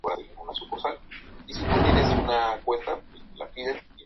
Consta en la tabla periódica de los elementos extendida.